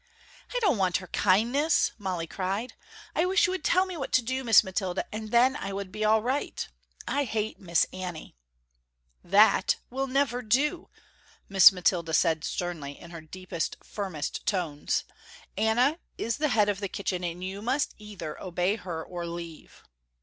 "I don't want her kindness," Molly cried, "I wish you would tell me what to do, Miss Mathilda, and then I would be all right. I hate Miss Annie." "This will never do Molly," Miss Mathilda said sternly, in her deepest, firmest tones, "Anna is the head of the kitchen and you must either obey her or leave."